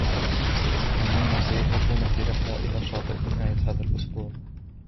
ستة منا سيذهبون في رحلة إلى الشاطئ نهاية هذا الأسبوع.